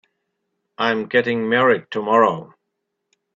I'm getting married tomorrow.